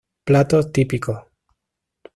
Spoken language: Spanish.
Platos típicos.